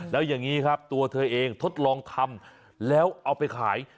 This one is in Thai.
แล้วอย่างนี้ครับตัวเธอเองทดลองทำแล้วเอาไปขาย